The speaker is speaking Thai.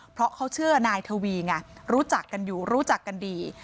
เพราะเขาเชื่อนายทวีไงรู้จักกันอยู่รู้จักกันดี